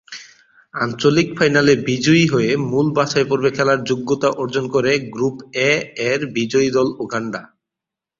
আঞ্চলিক ফাইনালে বিজয়ী হয়ে মূল বাছাইপর্বে খেলার যোগ্যতা অর্জন করে গ্রুপ এ-এর বিজয়ী দল উগান্ডা।